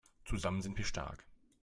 Zusammen sind wir stark!